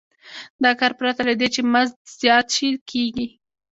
دا کار پرته له دې چې مزد زیات شي کېږي